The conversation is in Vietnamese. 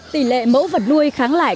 tỷ lệ mẫu vật nuôi kháng lại